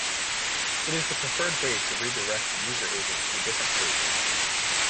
It is the preferred way to redirect a user agent to a different page.